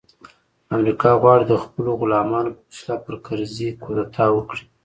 امریکا غواړي د خپلو غلامانو په وسیله پر کرزي کودتا وکړي